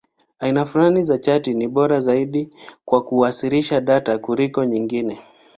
Aina fulani za chati ni bora zaidi kwa kuwasilisha data kuliko nyingine.